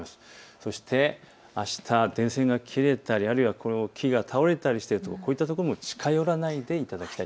そしてあした電線が切れて、あるいは木が倒れたり、こういったところに近寄らないでいただきたい。